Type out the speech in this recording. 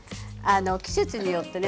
季節によってね